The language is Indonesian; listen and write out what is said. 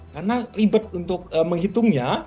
karena ribet untuk menghitungnya